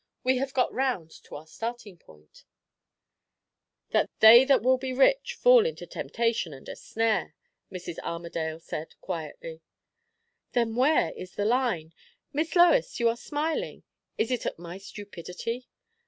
We have got round to our starting point." "'They that will be rich fall into temptation and a snare,'" Mrs. Armadale said quietly. "Then where is the line? Miss Lois, you are smiling. Is it at my stupidity?"